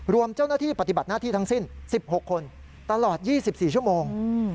รวมเจ้าหน้าที่ปฏิบัติหน้าที่ทั้งสิ้น๑๖คนตลอด๒๔ชั่วโมง